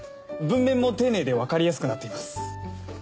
文面も丁寧でわかりやすくなっています。